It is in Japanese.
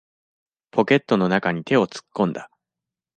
ポケットの中に手を突っ込んだ。